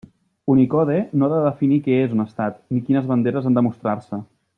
Unicode no ha de definir què és un Estat, ni quines banderes han de mostrar-se.